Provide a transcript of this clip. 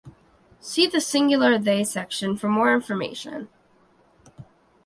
See the singular they section for more information.